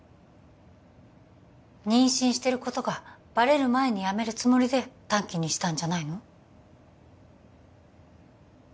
妊娠してることがバレる前に辞めるつもりで短期にしたんじゃないの？